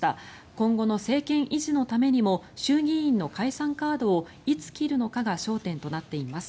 今後の政権維持のためにも衆議院の解散カードをいつ切るのかが焦点となっています。